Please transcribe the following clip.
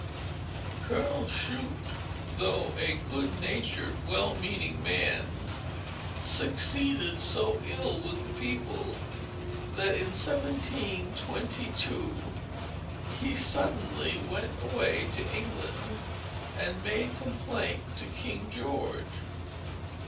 Colonel Shute, though a good natured, well meaning man, succeeded so ill with the people, that in 1722, he suddenly went away to England, and made complaint to King George.